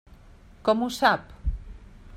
Com ho sap?